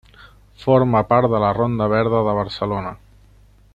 Forma part de la Ronda verda de Barcelona.